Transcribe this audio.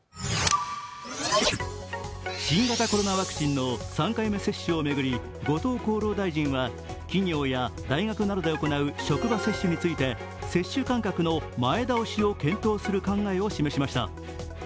新型コロナワクチンの３回目接種を巡り後藤厚労大臣は、企業や大学などで行う職場接種について接種間隔の前倒しを検討する考えを示しました。